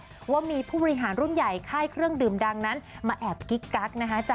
ที่ค้าได้ส่งว่ามีผู้บริหารรุ่นใหญ่ค่ายเครื่องดิมดังนั้นมาแอบกิ๊กกั๊กนะฮะ